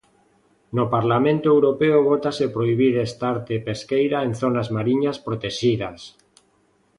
No Parlamento Europeo vótase prohibir esta arte pesqueira en zonas mariñas protexidas.